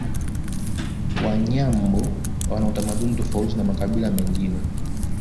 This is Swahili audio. Wanyambo wana utamaduni tofauti na makabila mengine